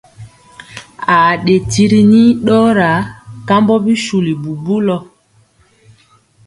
Aa ɗe tiri nii ɗɔɔra kambɔ bisuli bubulɔ.